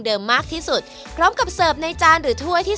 มากที่สุดพร้อมกับเสิร์ฟในจานหรือถ้วยที่